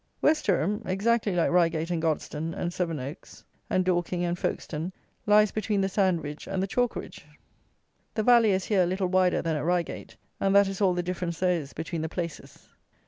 Westerham, exactly like Reigate and Godstone, and Sevenoaks, and Dorking, and Folkestone, lies between the sand ridge and the chalk ridge. The valley is here a little wider than at Reigate, and that is all the difference there is between the places.